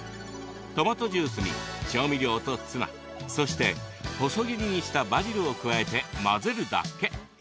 トマトジュースに調味料とツナそして細切りにしたバジルを加えて混ぜるだけ。